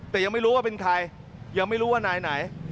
แต่ยังไม่รู้ว่าเป็นใครยังไม่รู้ว่านายไหน